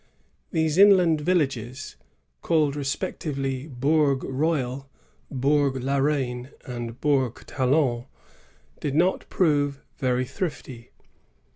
These inland villages, called respectively Bourg Royal, Bourg la Reine, and Bourg Talon, did not prove very thrifty.